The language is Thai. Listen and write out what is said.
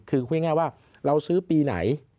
คือพูดง่ายว่าเราซื้อปีไหน